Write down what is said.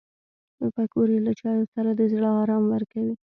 پکورې له چایو سره د زړه ارام ورکوي